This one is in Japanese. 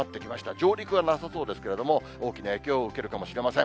上陸はなさそうですけれども、大きな影響を受けるかもしれません。